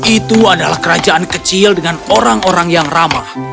itu adalah kerajaan kecil dengan orang orang yang ramah